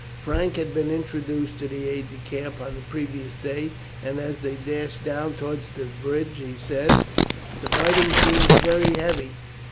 Frank had been introduced to the aide de camp on the previous day, and as they dashed down towards the bridge, he said: "The fighting seems very heavy."